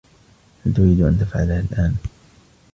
هل تريد أن تفعلها الآن ؟